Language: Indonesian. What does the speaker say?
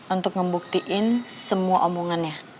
untuk ngebuktiin semua omongannya